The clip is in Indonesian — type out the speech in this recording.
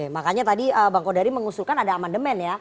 makanya tadi bang kodari mengusulkan ada amandemen ya